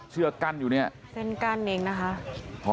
เชือกกั้นอยู่เนี่ยเส้นกั้นเองนะคะ